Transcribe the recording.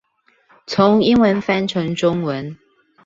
從英文翻成中文